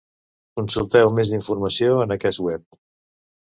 Consulteu més informació en aquest web.